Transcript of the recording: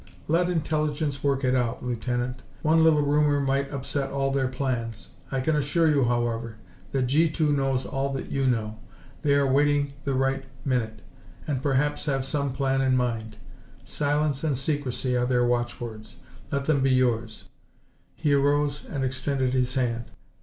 Let Intelligence work it out, Lieutenant. One little rumor might upset all their plans. I can assure you, however, that G 2 knows all that you know. They are waiting the right minute and perhaps have some plan in mind. Silence and secrecy are their watchwords. Let them be yours." He arose and extended his hand.